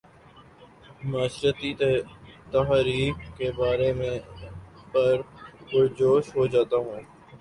معاشرتی تحاریک کے بارے میں پر جوش ہو جاتا ہوں